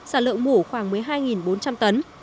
sản lượng mủ khoảng một mươi hai bốn trăm linh tấn